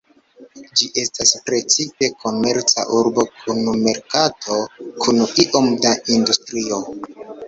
Ĝi estas precipe komerca urbo kun merkato kun iom da industrio.